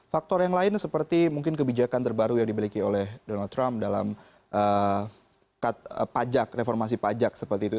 faktor yang lain seperti mungkin kebijakan terbaru yang dimiliki oleh donald trump dalam pajak reformasi pajak seperti itu